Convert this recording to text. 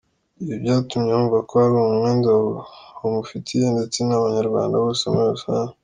Ibi byatumye bumva ko hari umwenda bamufitiye ndetse n’Abanyarwanda bose muri rusange.